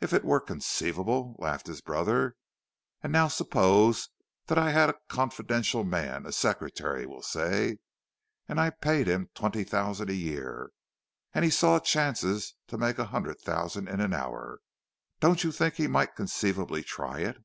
"If it were conceivable!" laughed his brother. "And now suppose that I had a confidential man—a secretary, we'll say—and I paid him twenty thousand a year, and he saw chances to make a hundred thousand in an hour—don't you think he might conceivably try it?"